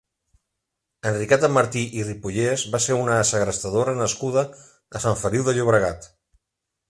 Enriqueta Martí i Ripollés va ser una segrestadora nascuda a Sant Feliu de Llobregat.